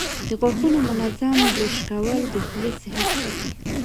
د غاښونو منظم برش کول د خولې صحت ساتي.